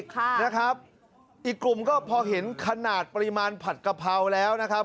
ค่ะนะครับอีกกลุ่มก็พอเห็นขนาดปริมาณผัดกะเพราแล้วนะครับ